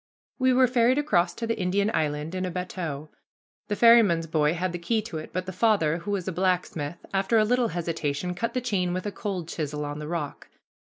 We were ferried across to the Indian Island in a bateau. The ferryman's boy had the key to it, but the father, who was a blacksmith, after a little hesitation, cut the chain with a cold chisel on the rock.